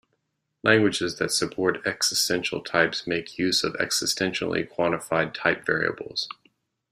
Languages that support existential types make use of existentially quantified type variables.